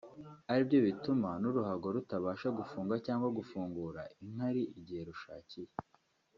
aribyo bituma n’uruhago rutabasha gufunga cyangwa gufungura inkari igihe rushakiye